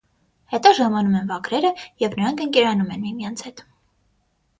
Հետո ժամանում են վագրերը և նրանք ընկերանում են միմյանց հետ։